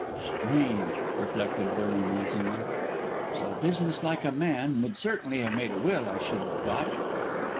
"Strange," reflected Vernon musingly; "so business like a man would certainly have made a will, I should have thought.